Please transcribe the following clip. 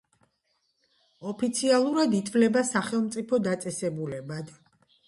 ოფიციალურად ითვლება სახელმწიფო დაწესებულებად.